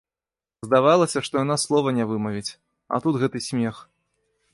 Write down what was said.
Здавалася, што яна слова не вымавіць, а тут гэты смех!